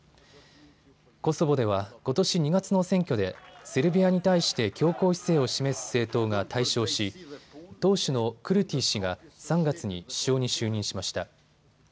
コソボではことし２月の選挙でセルビアに対して強硬姿勢を示す政党が大勝し党首のクルティ氏が３月に首相に就任しました。